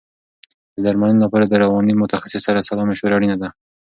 د درملنې لپاره د رواني متخصص سره سلا مشوره اړینه ده.